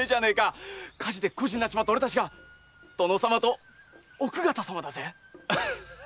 火事で孤児になっちまった俺たちが殿様と奥方様だぜ！